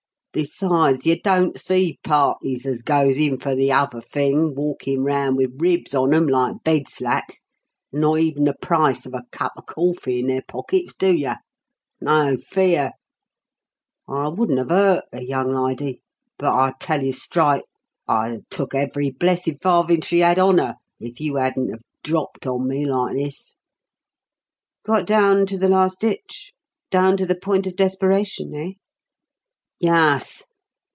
Besides, you don't see parties as goes in for the other thing walkin' round with ribs on 'em like bed slats, and not even the price of a cup of corfy in their pockets, do you? No fear! I wouldn't've 'urt the young lydie; but I tell you strite, I'd a took every blessed farthin' she 'ad on her if you 'adn't've dropped on me like this." "Got down to the last ditch down to the point of desperation, eh?" "Yuss.